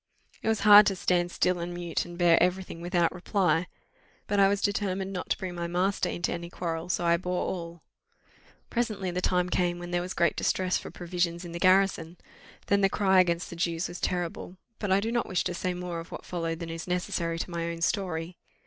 It was hard to stand still and mute, and bear every thing, without reply. But I was determined not to bring my master into any quarrel, so I bore all. Presently the time came when there was great distress for provisions in the garrison; then the cry against the Jews was terrible: but I do not wish to say more of what followed than is necessary to my own story.